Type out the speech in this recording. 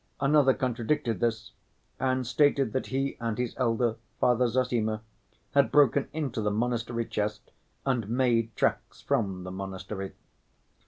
Another contradicted this, and stated that he and his elder, Father Zossima, had broken into the monastery chest and "made tracks from the monastery."